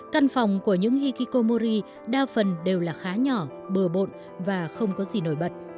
căn phòng của những hikikomori đa phần đều là khá nhỏ bừa bộn và không có gì nổi bật